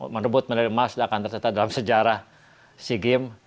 menerbut menerima sedangkan tercatat dalam sejarah si game